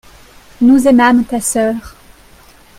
nous aimâmes ta sœur.